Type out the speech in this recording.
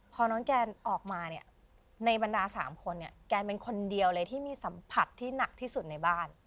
พอน้องแกนออกมาเนี่ยในบรรดา๓คนเนี่ยแกเป็นคนเดียวเลยที่มีสัมผัสที่หนักที่สุดในบ้าน